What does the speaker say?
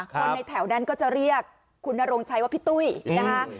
คนในแถวนั้นก็จะเรียกคุณนรงชัยว่าพี่ตุ้ยนะคะ